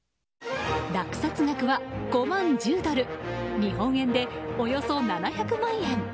落札額は５万１０ドル日本円でおよそ７００万円。